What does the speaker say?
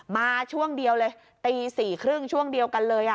มาช่วงเดียวเลยตี๔๓๐ช่วงเดียวกันเลย